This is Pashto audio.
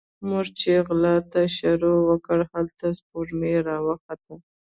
موږ چې غلا ته شروع وکړه، هلته سپوږمۍ راوخته